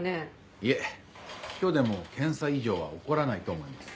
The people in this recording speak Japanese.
いえ今日でもう検査異常は起こらないと思います。